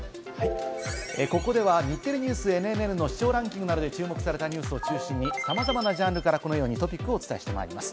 ここでは「日テレＮＥＷＳＮＮＮ」の視聴ランキングなどで注目されたニュースを中心にさまざまなジャンルからこのようにトピックをお伝えします。